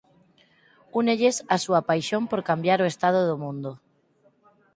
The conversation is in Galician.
Únelles a súa paixón por cambiar o estado do mundo.